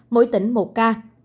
mỗi tỉnh một ca